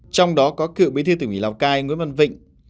trong đó có cựu bí thư tỉnh ủy lào cai nguyễn văn vịnh